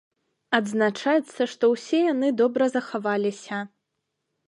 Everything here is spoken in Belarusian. Адзначаецца, што ўсе яны добра захаваліся.